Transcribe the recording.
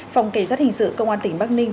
phòng kế giác hình sự công an tp bắc ninh